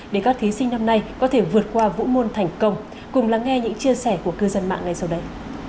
để các thí sinh năm nay có thể vượt qua vũ môn thành công cùng lắng nghe những chia sẻ của cư dân mạng ngay sau đây